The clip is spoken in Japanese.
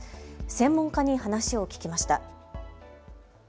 専門家に話を聞きました。